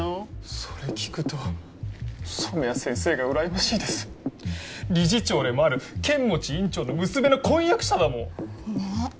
それ聞くと染谷先生がうらやましいです理事長でもある剣持院長の娘の婚約者だもんねえ